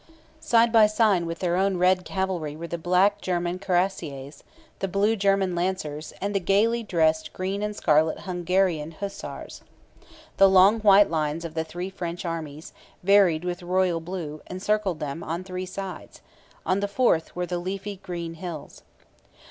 Side by side with their own red cavalry were the black German cuirassiers, the blue German lancers, and the gaily dressed green and scarlet Hungarian hussars. The long white lines of the three French armies, varied with royal blue, encircled them on three sides. On the fourth were the leafy green hills.